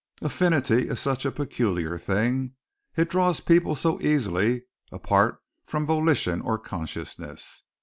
Affinity is such a peculiar thing. It draws people so easily, apart from volition or consciousness.